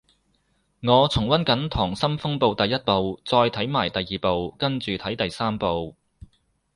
我重溫緊溏心風暴第一部，再睇埋第二部跟住睇第三部